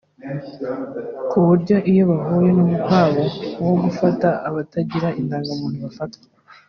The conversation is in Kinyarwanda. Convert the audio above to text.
ku buryo iyo bahuye n’umukwabu wo gufata abatagira indangamuntu bafatwa